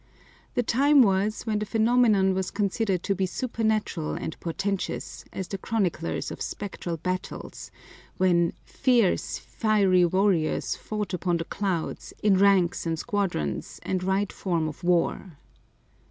The time was when the phenomenon was considered to be supernatural and portentous, as the chroniclers of spectral battles, when "fierce, fiery warriors fought upon the clouds, in ranks and squadrons, and right form of war."